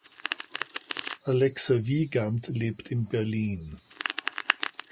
Alexa Wiegandt lebt in Berlin.